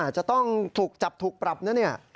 จะต้องถูกจับถูกปรับนะเนี่ย